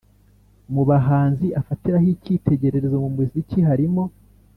Mu bahanzi afatiraho icyitegererezo mu muziki harimo